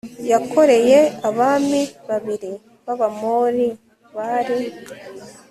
yakoreye abami babiri b abamori bari